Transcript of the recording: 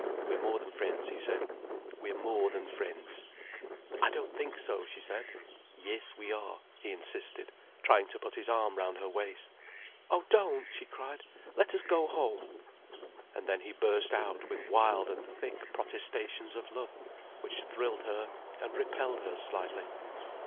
"We're more than friends," he said. "We're more than friends." "I don't think so," she said. "Yes we are," he insisted, trying to put his arm round her waist. "Oh, don't!" she cried. "Let us go home." And then he burst out with wild and thick protestations of love, which thrilled her and repelled her slightly.